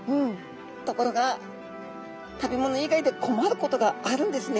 ところが食べ物以外で困ることがあるんですね。